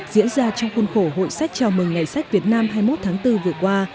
diễn ra trong khuôn khổ hội sách chào mừng ngày sách việt nam hai mươi một tháng bốn vừa qua